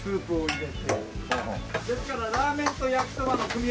ですからラーメンと焼きそばの組み合わせです。